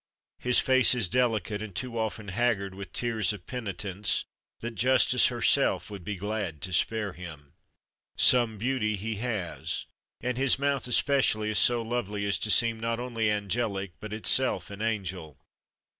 His face is delicate and too often haggard with tears of penitence that Justice herself would be glad to spare him. Some beauty he has, and his mouth especially is so lovely as to seem not only angelic but itself an angel.